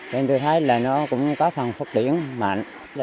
nên tôi thấy là nó cũng có phần phát triển mạnh